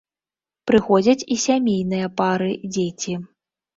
Прыходзяць і сямейныя пары, дзеці.